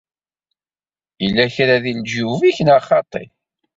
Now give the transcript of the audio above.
Yella kra deg leǧyub-ik, neɣ xaṭi?